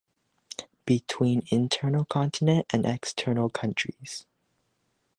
Between internal continent and external countries.